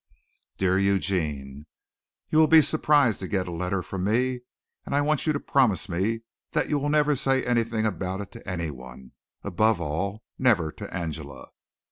Dear Eugene: You will be surprised to get a letter from me and I want you to promise me that you will never say anything about it to anyone above all never to Angela.